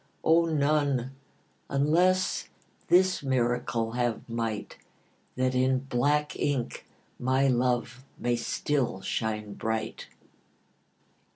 O, none, unless this miracle have might, That in black ink my love may still shine bright.